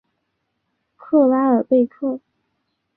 克拉尔贝克。